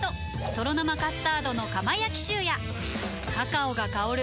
「とろ生カスタードの窯焼きシュー」やカカオが香る！